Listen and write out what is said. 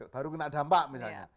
baru kena dampak misalnya